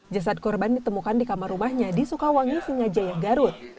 jasad korban ditemukan di kamar rumahnya di sukawangi singajaya garut